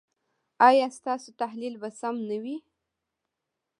ایا ستاسو تحلیل به سم نه وي؟